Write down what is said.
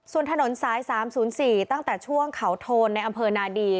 ส่วนถนนสาย๓๐๔ตั้งแต่ช่วงเขาโทนในอำเภอนาดี